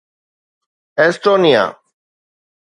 Estonia